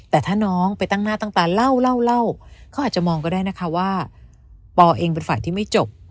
แต่ถ้าน้องไปตั้งหน้าตั้งตาเล่าเล่าเขาอาจจะมองก็ได้นะคะว่าปอเองเป็นฝ่ายที่ไม่จบ